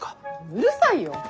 うるさいよ！